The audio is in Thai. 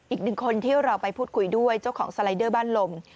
อีกหนึ่งคนที่เราไปพูดคุยด้วยเจ้าของสไลเดอร์บ้านลม